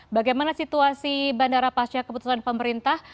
bagaimana situasi bandara pasca keputusan pemerintah